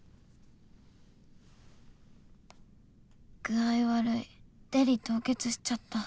「具合悪いデリ当欠しちゃった」。